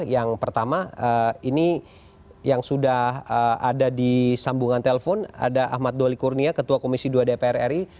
yang pertama ini yang sudah ada di sambungan telpon ada ahmad doli kurnia ketua komisi dua dpr ri